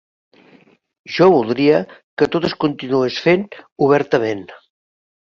Jo voldria que tot es continués fent obertament.